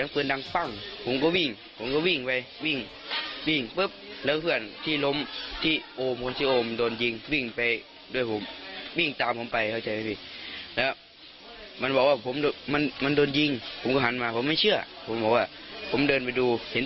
พวกมันก็บอกว่าจับมือกับเหิ่าหน่อย